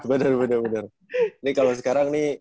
benar benar ini kalau sekarang nih